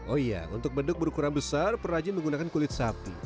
oh iya untuk beduk berukuran besar perajin menggunakan kulit sapi